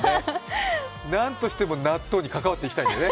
何としても納豆に関わっていきたいんだね。